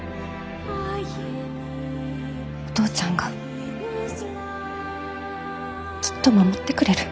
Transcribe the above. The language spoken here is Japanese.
お父ちゃんがきっと守ってくれる。